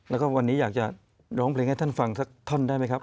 แล้วก็วันนี้อยากจะร้องเพลงให้ท่านฟังสักท่อนได้ไหมครับ